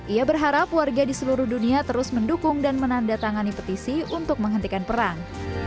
ia berharap warga di seluruh dunia terus mendukung dan menandatangani petisi untuk menghentikan perang